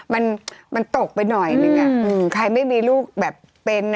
มันมันตกไปหน่อยนึงใครไม่มีลูกแบบเป็น